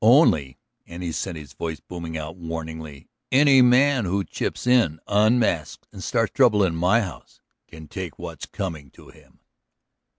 "Only," and he sent his voice booming out warningly, "any man who chips in unasked and starts trouble in my house can take what's coming to him."